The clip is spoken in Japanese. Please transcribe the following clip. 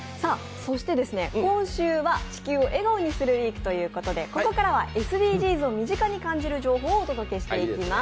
そして、今週は「地球を笑顔にするＷＥＥＫ」ということでここからはＳＤＧｓを身近に感じる情報をお届けしていきます。